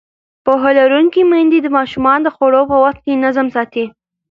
پوهه لرونکې میندې د ماشومانو د خوړو پر وخت نظم ساتي.